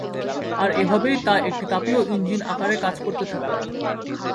আর এভাবেই তা একটি তাপীয় ইঞ্জিন আকারে কাজ করতে থাকে।